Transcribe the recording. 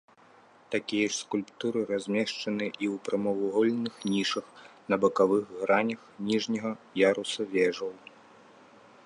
Такія ж скульптуры размешчаны і ў прамавугольных нішах на бакавых гранях ніжняга яруса вежаў.